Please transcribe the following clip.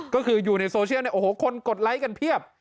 ก็คืออยู่ในโซเชียลเนี่ยโอ้โหคนกดไลค์กันเพียบ